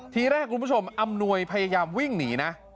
ทีแรกคุณผู้ชมอำนวยพยายามวิ่งหนีนะ